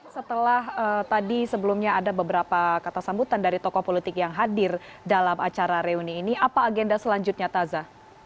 setelah tadi sebelumnya ada beberapa kata sambutan dari tokoh politik yang hadir dalam acara reuni ini apa agenda selanjutnya taza